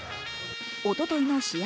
おとといの試合